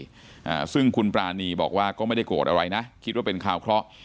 อ่าซึ่งคุณปรานีบอกว่าก็ไม่ได้โกรธอะไรนะคิดว่าเป็นข่าวเคราะห์